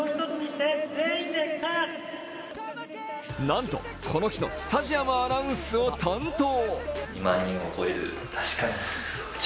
なんと、この日のスタジアムアナウンスを担当。